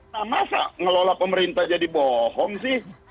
nah masa ngelola pemerintah jadi bohong sih